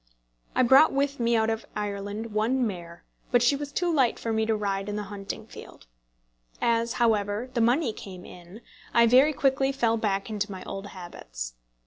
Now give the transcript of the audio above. I brought with me out of Ireland one mare, but she was too light for me to ride in the hunting field. As, however, the money came in, I very quickly fell back into my old habits.